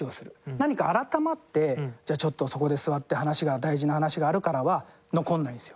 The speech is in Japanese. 何か改まってじゃあちょっとそこで座って「大事な話があるから」は残らないんですよ。